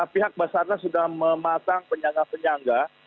pihak basarnas sudah memasang penyangga penyangga